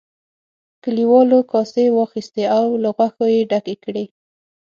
کليوالو کاسې واخیستې او له غوښو یې ډکې کړې.